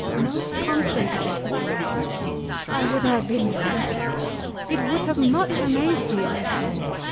Most constantly. HAMLET. I would I had been there. HORATIO. It would have much amaz'd you.